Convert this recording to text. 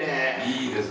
いいです